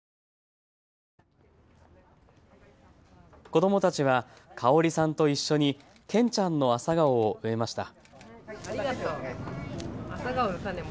子どもたちは香さんと一緒にけんちゃんの朝顔を植えました。